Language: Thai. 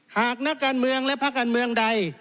หากนักการเมืองและภาคการเมืองใด